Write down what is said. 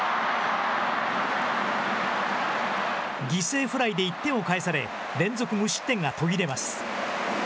犠牲フライで１点を返され連続無失点が途切れます。